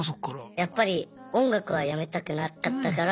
やっぱり音楽はやめたくなかったから。